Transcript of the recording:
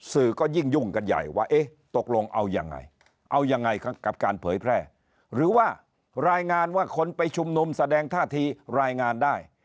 สื่อก็ยิ่งยุ่งกันใหญ่ว่าเอ๊ะตกลงเอายังไงเอายังไงกับการเผยแพร่หรือว่ารายงานว่าคนไปชุมนุมแสดงท่าทีรายงานได้